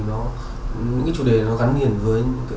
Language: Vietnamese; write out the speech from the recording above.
những chủ đề gắn liền với